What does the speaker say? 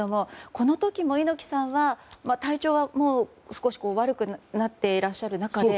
この時も猪木さんは体調は少し悪くなっていらっしゃる中で。